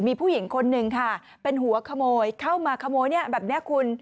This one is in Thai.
มีผู้หญิงคนหนึ่งค่ะเป็นหัวขโมยเข้ามาขโมยเนี่ยแบบนี้คุณ